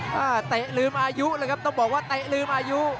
เตะลืมอายุเตะลืมอายุ